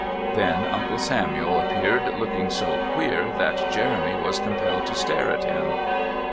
Then Uncle Samuel appeared, looking so queer that Jeremy was compelled to stare at him.